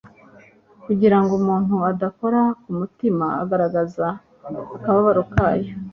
kugira ngo umuntu adakora ku mutima agaragaza akababaro kayo